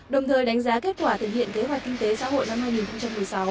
đồng thời đánh giá kết quả thực hiện kế hoạch kinh tế xã hội năm hai nghìn một mươi sáu